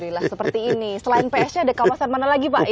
alhamdulillah seperti ini selain psnya ada kawasan mana lagi pak yang lain